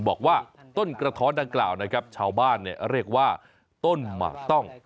บอกว่าต้นกระท้อนดังกล่าวนะครับชาวบ้านเรียกว่าต้นหมากต้อง